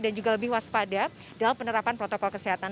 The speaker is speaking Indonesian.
dan juga lebih waspada dalam penerapan protokol kesehatan